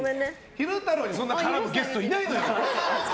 昼太郎に絡むゲストいないのよ。